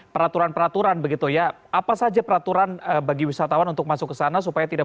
peraturan peraturan begitu ya apa saja peraturan bagi wisatawan untuk masuk ke sana supaya tidak